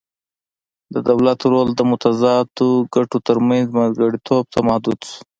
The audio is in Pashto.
د دولت رول د متضادو ګټو ترمنځ منځګړیتوب ته محدود شو